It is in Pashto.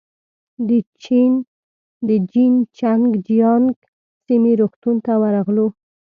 د جين چنګ جيانګ سیمې روغتون ته ورغلو.